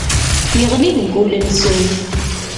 Yeɣli deg wul-nsen.